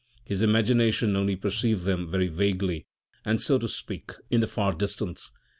His imagination only perceived them very vaguely, and so to speak, in the far distance.